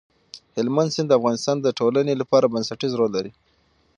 هلمند سیند د افغانستان د ټولنې لپاره بنسټيز رول لري.